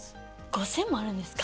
５，０００もあるんですか？